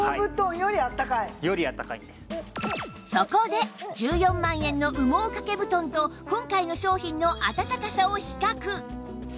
そこで１４万円の羽毛掛け布団と今回の商品のあたたかさを比較